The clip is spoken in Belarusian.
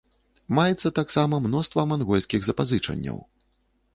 Маецца таксама мноства мангольскіх запазычанняў.